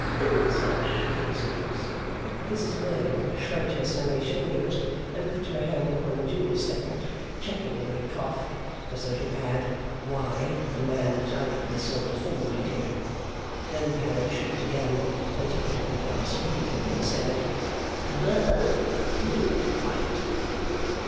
In such cases ' Mrs Merdle shrugged her snowy shoulders and put her hand upon the jewel stand, checking a little cough, as though to add, 'why, a man looks out for this sort of thing, my dear.' Then the parrot shrieked again, and she put up her glass to look at him, and said, 'Bird! Do be quiet!